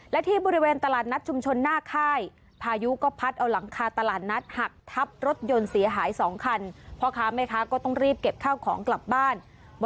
และที่บริเวณตลาดนัดชุมชนหน้าค่าย